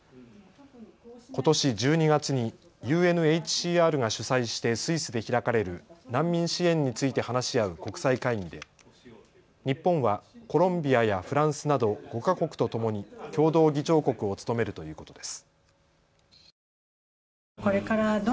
ことし１２月にＵＮＨＣＲが主催してスイスで開かれる難民支援について話し合う国際会議で日本はコロンビアやフランスなど５か国とともに共同議長国を務めるということです。